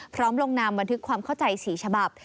พร้อมลงนามบันทึกความเข้าใจ๔ฉบับ